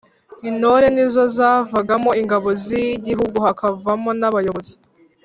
intore nizo zavagamo ingabo z’igihugu, hakavamo n’abayobozi